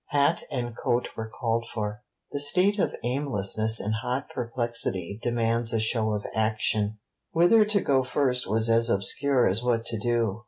Hat and coat were called for. The state of aimlessness in hot perplexity demands a show of action. Whither to go first was as obscure as what to do.